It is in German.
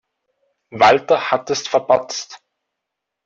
Walter hat es verpatzt.